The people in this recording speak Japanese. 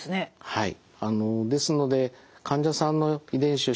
はい。